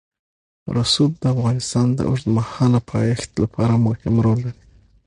رسوب د افغانستان د اوږدمهاله پایښت لپاره مهم رول لري.